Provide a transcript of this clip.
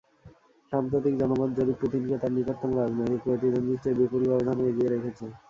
সাম্প্রতিক জনমত জরিপ পুতিনকে তাঁর নিকটতম রাজনৈতিক প্রতিদ্বন্দ্বীর চেয়ে বিপুল ব্যবধানে এগিয়ে রেখেছে।